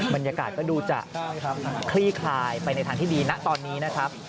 บรรยากาศก็ดูจะคลี่คลายไปในทางที่ดีนะตอนนี้นะครับ